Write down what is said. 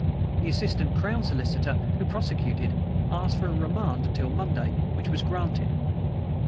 The Assistant Crown Solicitor, who prosecuted, asked for a remand until Monday, which was granted.